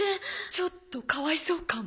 ちょっとかわいそうかも。